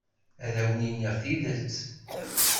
Ad awen-iniɣ tidet.